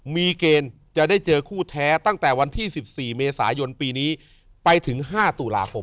มีเกณฑ์จะได้เจอคู่แท้ตั้งแต่วันที่๑๔เมษายนปีนี้ไปถึง๕ตุลาคม